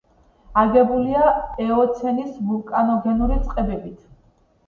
აგებულია ეოცენის ვულკანოგენური წყებებით.